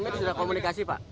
time nya sudah komunikasi pak